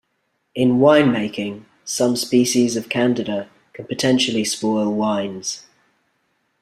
In winemaking, some species of "Candida" can potentially spoil wines.